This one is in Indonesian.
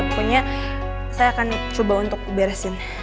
pokoknya saya akan coba untuk beresin